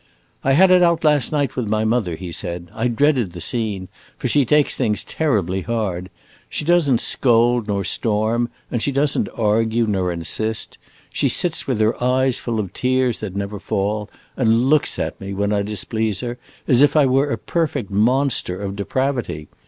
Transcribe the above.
"I had it out last night with my mother," he said. "I dreaded the scene, for she takes things terribly hard. She does n't scold nor storm, and she does n't argue nor insist. She sits with her eyes full of tears that never fall, and looks at me, when I displease her, as if I were a perfect monster of depravity.